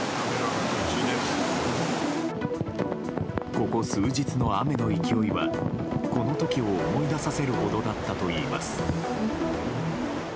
ここ数日の雨の勢いはこの時を思い出させるほどだったといいます。